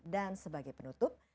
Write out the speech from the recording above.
dan sebagai penutup